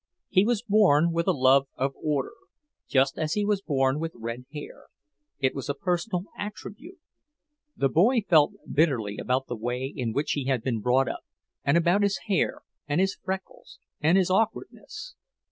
He was born with a love of order, just as he was born with red hair. It was a personal attribute. The boy felt bitterly about the way in which he had been brought up, and about his hair and his freckles and his awkwardness.